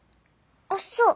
あっそう。